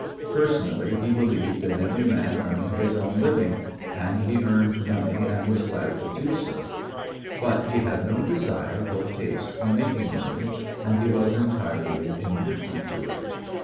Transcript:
Personally he believed in every man earning his own living, and he earned money and was glad to do so; but he had no desire or taste for making money, and he was entirely indifferent to it.